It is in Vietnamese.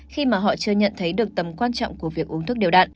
khi mà họ chưa nhận thấy được tầm quan trọng của việc uống thuốc điều đạn